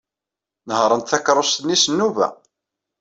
Nehṛent takeṛṛust-nni s nnuba.